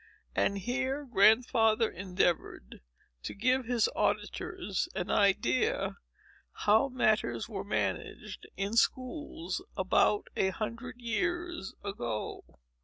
And here Grandfather endeavored to give his auditors an idea how matters were managed in schools above a hundred years ago.